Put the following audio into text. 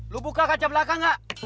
lu buka kaca belakang gak